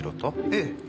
ええ。